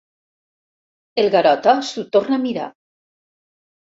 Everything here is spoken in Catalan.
El Garota s'ho torna a mirar.